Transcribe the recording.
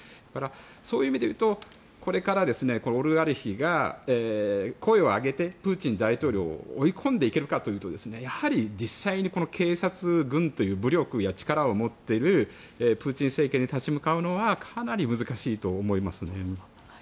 だから、そういう意味でいうとこれから、オリガルヒが声を上げてプーチン大統領を追い込んでいけるかというとやはり、実際に警察、軍という武力や力を持っているプーチン政権に立ち向かうのはかなり難しいと思いますね。